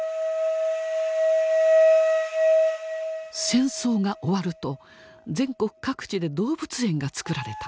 戦争が終わると全国各地で動物園がつくられた。